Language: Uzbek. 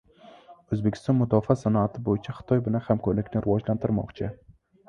O‘zbekiston mudofaa sanoati bo‘yicha Xitoy bilan hamkorlikni rivojlantirmoqchi